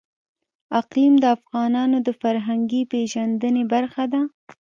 اقلیم د افغانانو د فرهنګي پیژندنې برخه ده.